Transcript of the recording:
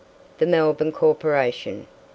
THE MELBOURNE CORPORATION, 1842.